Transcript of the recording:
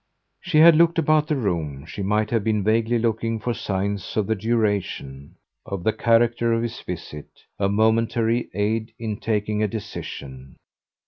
She had looked about the room she might have been vaguely looking for signs of the duration, of the character of his visit, a momentary aid in taking a decision.